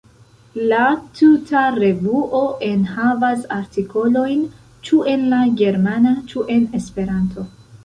La tuta revuo enhavas artikolojn ĉu en la Germana ĉu en Esperanto.